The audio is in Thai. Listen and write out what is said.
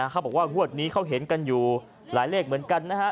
เขาบอกว่างวดนี้เขาเห็นกันอยู่หลายเลขเหมือนกันนะฮะ